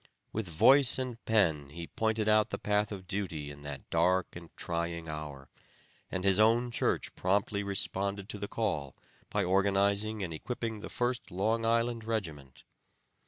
With voice and pen he pointed out the path of duty in that dark and trying hour, and his own church promptly responded to the call by organizing and equipping the First Long Island regiment.